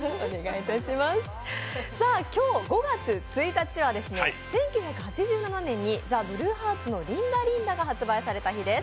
今日５月１日は１９８７年にＴＨＥＢＬＵＥＨＥＡＲＴＳの「リンダリンダ」が発売された日です。